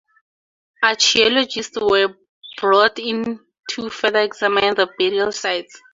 Archaeologists were brought in to further examine the burial site.